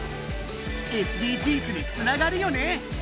ＳＤＧｓにつながるよね！